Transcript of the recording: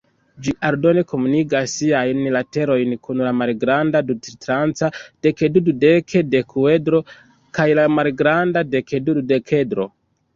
Ĝi aldone komunigas siajn laterojn kun la malgranda du-tritranĉa dekdu-dudek-dekduedro kaj la malgranda dekdu-dudekedro.